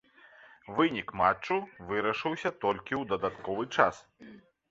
Вынік матчу вырашыўся толькі ў дадатковы час.